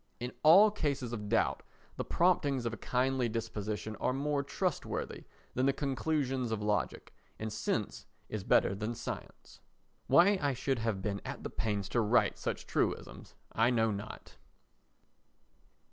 In all cases of doubt, the promptings of a kindly disposition are more trustworthy than the conclusions of logic, and sense is better than science. Why I should have been at the pains to write such truisms I know not.